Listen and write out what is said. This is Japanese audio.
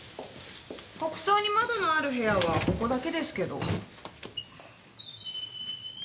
北東に窓のある部屋はここだけですけど。